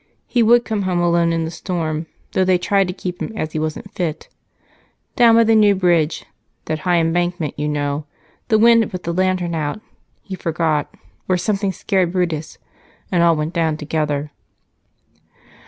He would come home alone in the storm, though they tried to keep him, as he wasn't fit. Down by the new bridge that high embankment, you know the wind had put the lantern out he forgot or something scared Brutus, and all went down together."